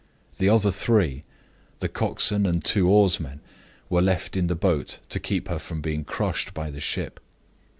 The other three the coxswain and two oarsmen were left in the boat to keep her from being crushed by the ship.